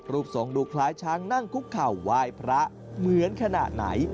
ทรงดูคล้ายช้างนั่งคุกเข่าไหว้พระเหมือนขนาดไหน